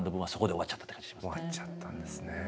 終わっちゃったんですね。